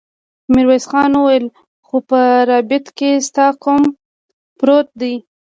ميرويس خان وويل: خو په رباط کې ستا قوم پروت دی.